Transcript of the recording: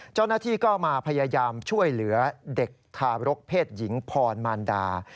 เจ้าหน้าที่ก็มาพยายามช่วยเหลือเด็กทารกเพศหญิงพรมารดา